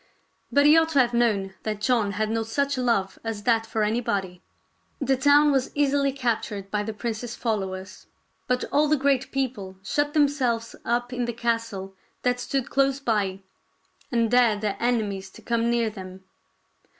But he ought to have known that John had no such love as that for anybody. The town was easily captured by the prince's followers ; but all the great people shut themselves up in the castle that stood close by, and dared their enemies to come near them.